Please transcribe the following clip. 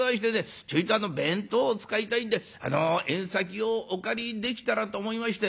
ちょいと弁当を使いたいんであの縁先をお借りできたらと思いまして」。